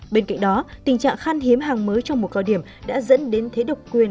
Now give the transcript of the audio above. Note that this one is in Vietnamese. bên cạnh đó tình trạng khan hiếm hàng mới trong mùa cao điểm đã dẫn đến thế độc quyền